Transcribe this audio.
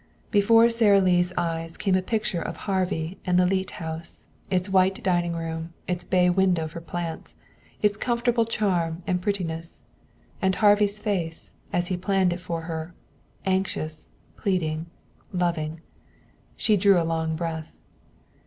Before Sara Lee's eyes came a picture of Harvey and the Leete house, its white dining room, its bay window for plants, its comfortable charm and prettiness. And Harvey's face, as he planned it for her anxious, pleading, loving. She drew a long breath.